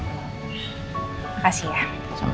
makasih ya sama sama